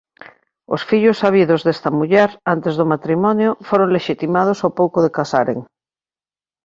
Os fillos habidos desta muller antes do matrimonio foron lexitimados ao pouco de casaren.